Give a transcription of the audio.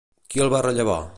Qui el va rellevar?